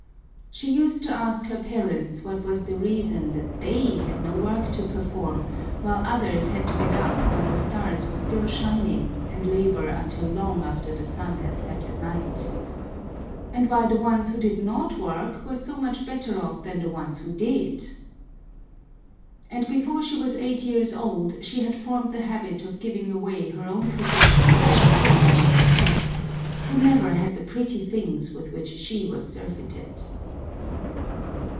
She used to ask her parents what was the reason that they had no work to perform, while others had to get up when the stars were still shining and labor until long after the sun had set at night. And why the ones who did not work were so much better off than the others who did. And before she was eight years old, she had formed the habit of giving away her own possessions to the children of the serfs, who never had the pretty things with which she was surfeited.